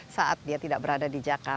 saat dia tidak berada di jakarta atau di kantor